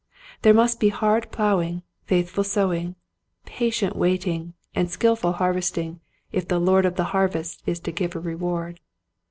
There must be hard plowing, faithful sowing, patient wait ing, and skillful harvesting if the Lord of the Harvest is to give a reward.